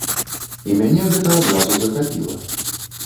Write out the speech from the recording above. І мяне гэта адразу захапіла.